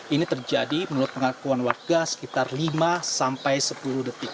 ini terjadi menurut pengakuan warga sekitar lima sampai sepuluh detik